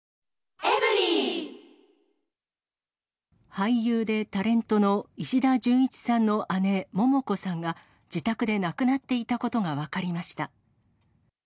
俳優でタレントの石田純一さんの姉、桃子さんが、自宅で亡くなっていたことが分かりました。